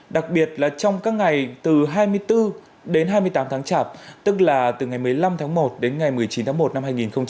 đặc biệt là trong các ngày từ hai mươi bốn đến hai mươi tám tháng chạp tức là từ ngày một mươi năm tháng một đến ngày một mươi chín tháng một năm hai nghìn hai mươi